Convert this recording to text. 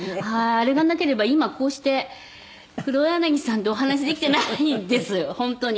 あれがなければ今こうして黒柳さんとお話できていないんです本当に。